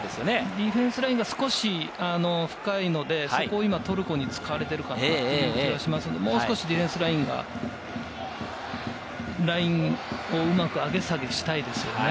ディフェンスラインが少し深いので、そこを今、トルコに使われている感じがしますけれども、もう少しディフェンスラインがラインをうまく上げ下げしたいですよね。